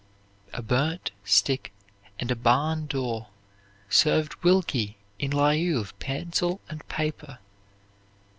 A burnt stick and a barn door served Wilkie in lieu of pencil and paper.